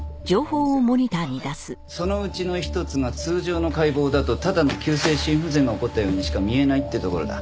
そのうちの一つが通常の解剖だとただの急性心不全が起こったようにしか見えないってところだ。